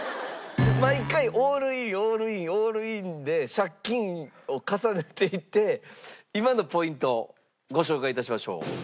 毎回オールインオールインオールインで借金を重ねていて今のポイントご紹介致しましょう。